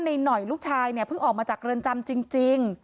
นายหน่อยลูกชายเนี่ยเพิ่งออกมาจากเกิริญจำจริงจริง